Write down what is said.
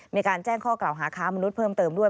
มีการแจ้งข้อกล่าวหาค้ามนุษย์เพิ่มเติมด้วย